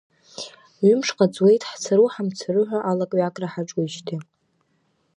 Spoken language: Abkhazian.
Ҩымшҟа ҵуеит, ҳцару, ҳамцару ҳәа алакҩакра ҳаҿуижьҭеи.